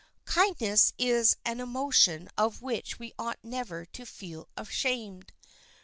Kindness is an emotion of which we ought never to feel ashamed.